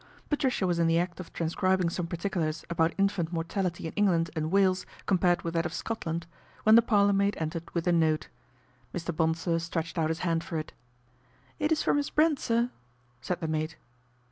Patricia was in the act of transcribing some particulars about infant mortality in England and Wales compared with that of Scotland, when the parlourmaid entered with a note. Mr. Bonsor stretched out his hand for it. " It is for Miss Brent, sir," said the maid.